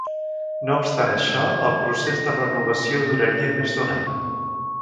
No obstant això, el procés de renovació duraria més d'un any.